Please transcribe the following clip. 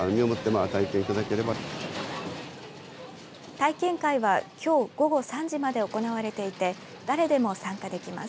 体験会は、きょう午後３時まで行われていて誰でも参加できます。